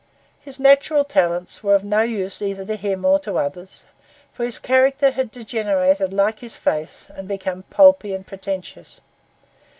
His natural talents were of no use either to himself or others; for his character had degenerated like his face, and become pulpy and pretentious.